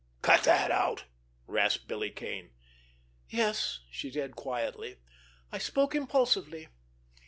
"Cut that out!" rasped Billy Kane. "Yes," she said quietly, "I spoke impulsively.